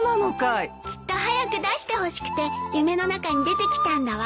きっと早く出してほしくて夢の中に出てきたんだわ。